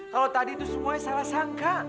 kalau tadi itu semuanya salah sangka